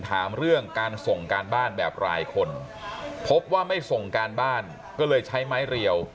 ถามเรื่องการส่งการบ้านแบบรายคนพบว่าไม่ส่งการบ้านก็เลยใช้ไม้เรียว